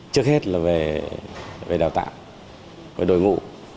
trước hết là về đào tạo về đội ngũ